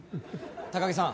高木さん。